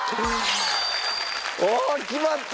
おおっ決まった！